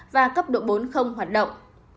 và cấp độ bốn không hoạt động